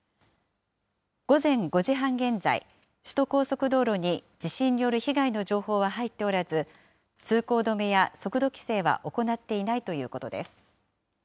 午前５時半現在、首都高速道路に地震による被害の情報は入っておらず、通行止めや速度規制は行っていないということです。